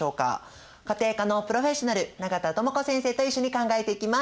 家庭科のプロフェッショナル永田智子先生と一緒に考えていきます。